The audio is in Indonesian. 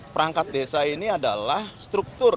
perangkat desa ini adalah struktur